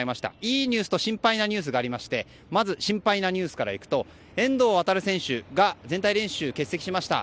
いいニュースと心配なニュースがありましてまず心配なニュースからいくと遠藤航選手が全体練習を欠席しました。